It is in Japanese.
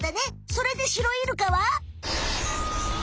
それでシロイルカは？